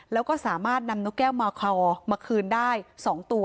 แล้วก็สามารถนำนกแก้วมาคอลมาคืนได้๒ตัว